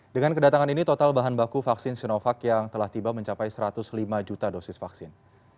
dengan kedatangan ini total bahan baku vaksin sinovac yang telah tiba mencapai satu ratus lima juta dosis vaksin